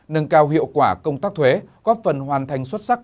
nâng cao hiệu quả công tác thuế góp phần hoàn thành xuất sắc